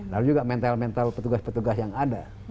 lalu juga mental mental petugas petugas yang ada